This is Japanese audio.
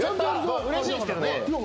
うれしいですけどね。